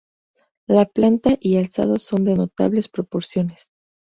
La planta y alzado son de notables proporciones.